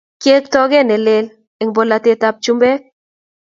Kiek toket ne lel eng polatet ab chumbek